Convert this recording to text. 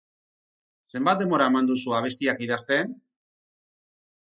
Zenbat denbora eman duzu abestiak idazten?